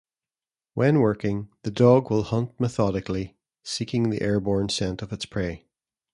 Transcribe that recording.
When working, the dog will hunt methodically seeking the airborne scent of its prey.